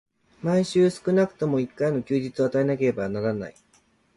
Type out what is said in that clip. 毎週少くとも一回の休日を与えなければならない。